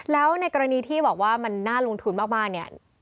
แล้วในกรณีที่บอกว่ามันน่าลงทุนมากเนี่ย